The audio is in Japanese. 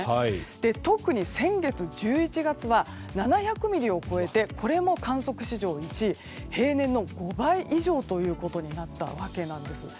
特に、先月１１月は７００ミリを超えてこれも観測史上１位平年の５倍以上となったわけなんです。